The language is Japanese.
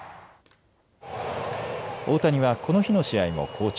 大谷はこの日の試合も好調。